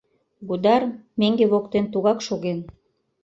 Гудар меҥге воктен тугак шоген.